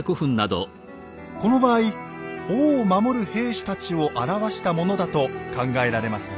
この場合王を守る兵士たちを表したものだと考えられます。